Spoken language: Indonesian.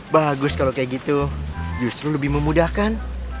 bagus kalau kayak gitu justru lebih memudahkan